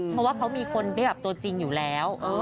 เพราะว่าเขามีคนได้แบบตัวจริงอยู่แล้ว